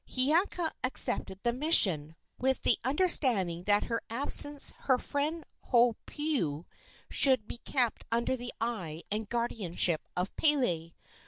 Hiiaka accepted the mission, with the understanding that during her absence her friend Hopoe should be kept under the eye and guardianship of Pele.